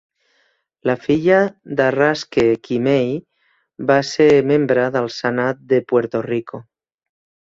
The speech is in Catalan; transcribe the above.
La filla de Raschke, Kimmey, va ser membre del Senat de Puerto Rico.